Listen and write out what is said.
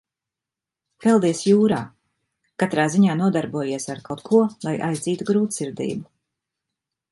Peldies jūrā, katrā ziņā nodarbojies ar kaut ko, lai aizdzītu grūtsirdību.